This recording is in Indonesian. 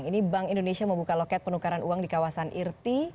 ini bank indonesia membuka loket penukaran uang di kawasan irti